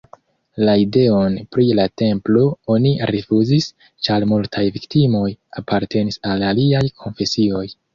La ideon pri la templo oni rifuzis, ĉar multaj viktimoj apartenis al aliaj konfesioj.